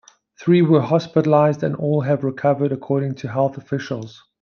Three were hospitalized, and all have recovered, according to health officials.